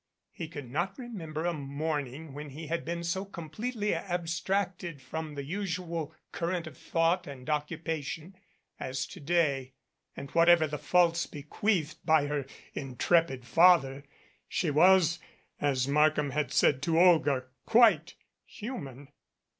He could not remem ber a morning when he had been so completely abstracted from the usual current of thought and occupation as to day, and whatever the faults bequeathed by her intrepid father, she was, as Markham had said to Olga, quite human.